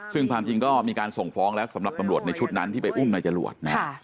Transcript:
ซึ่งความจริงก็มีการส่งฟ้องแล้วสำหรับตำรวจในชุดนั้นที่ไปอุ้มนายจรวดนะฮะ